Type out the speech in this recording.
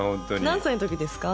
何歳の時ですか？